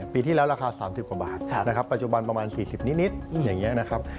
ปีที่แล้วราคา๓๐กว่าบาทนะครับปัจจุบันประมาณ๔๐นิดอย่างนี้นะครับ